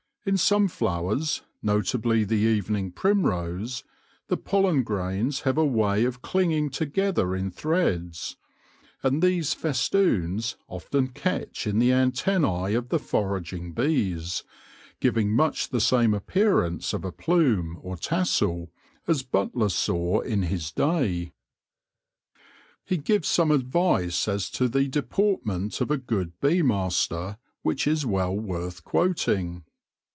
In some flowers, notably the evening primrose, the pollen grains have a way of clinging together in threads ; and these festoons often catch in the antennae of the foraging bees, giving much the same appearance of a plume, or tassel, as Butler saw in his day. He gives some advice as to the deportment of a good bee master which is well worth quoting.